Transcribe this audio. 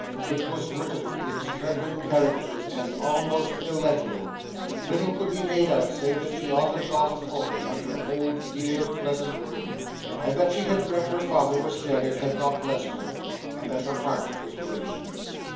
It was written in trembling characters, and almost illegible. Little could be made out save that she often thought of home and her old dear pleasant room,—and that she had dreamt her father was dead and had not blessed her,—and that her heart was breaking.